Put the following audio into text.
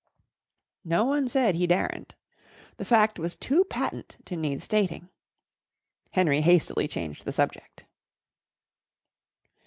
No one said he daren't. The fact was too patent to need stating. Henry hastily changed the subject.